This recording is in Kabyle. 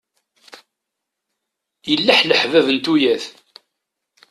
Yelleḥleḥ bab n tuyat.